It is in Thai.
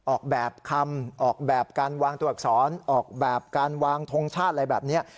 ออกแบบคำออกแบบการวางตัวอักษรออกแบบการวางทงชาติอะไรแบบนี้